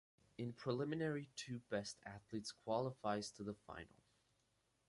In preliminary two best athletes qualifies to the final.